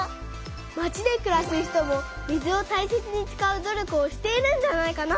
まちでくらす人も水をたいせつにつかう努力をしているんじゃないかな。